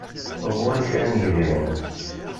Ɣur-i kra n yedrimen.